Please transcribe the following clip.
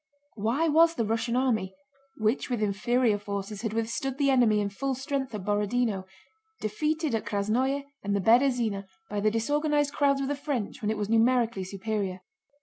Why was the Russian army—which with inferior forces had withstood the enemy in full strength at Borodinó—defeated at Krásnoe and the Berëzina by the disorganized crowds of the French when it was numerically superior?